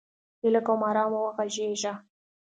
هیله کوم! ارام وغږیږه!